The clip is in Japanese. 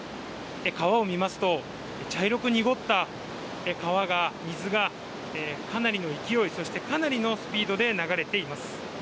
川を見ますと、茶色く濁った川が水がかなりの勢い、そしてかなりのスピードで流れています。